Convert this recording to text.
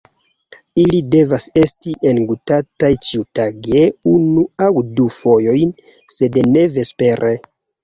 Ili devas esti engutataj ĉiutage unu aŭ du fojojn, sed ne vespere.